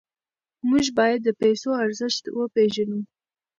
موږ باید د پیسو ارزښت وپېژنو.